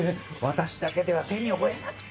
私だけでは手に負えなくて。